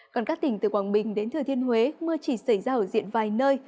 còn các tỉnh từ quảng bình đến thừa thiên huế mưa chỉ xảy ra ở diện vài nơi